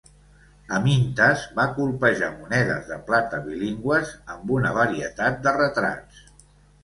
Amyntas va colpejar monedes de plata bilingües amb una varietat de retrats.